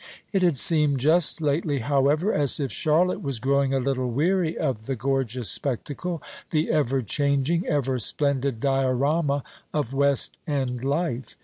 It had seemed just lately, however, as if Charlotte was growing a little weary of the gorgeous spectacle the ever changing, ever splendid diorama of West End life.